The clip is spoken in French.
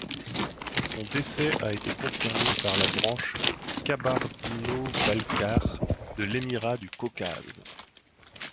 Son décès a été confirmé par la branche kabardino-balkare de l'Émirat du Caucase.